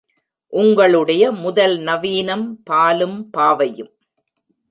உங்களுடைய முதல் நவீனம் பாலும் பாவையும்.